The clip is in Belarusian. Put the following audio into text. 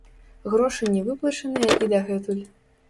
Грошы не выплачаныя і дагэтуль.